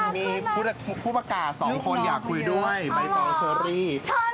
มีผู้ประกาศ๒คนอยากคุยด้วยใบตองเชอรี่